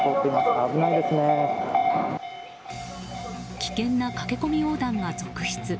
危険な駆け込み横断が続出。